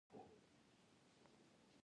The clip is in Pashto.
آیا پښتونولي د یووالي درس نه ورکوي؟